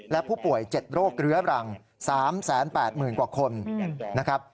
และผู้ป่วย๗โรคเรื้อรัง๓๘๐๐๐กว่าคนนะครับ